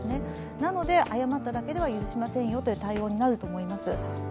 なので、謝っただけでは許しませんよという対応になると思います。